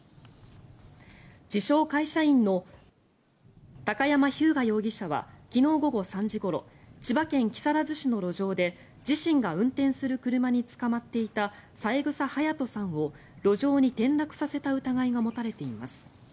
自称・会社員の高山飛勇我容疑者は昨日午後３時ごろ千葉県木更津市の路上で自身が運転する車につかまっていた三枝隼年さんを路上に転落させた疑いが持たれています。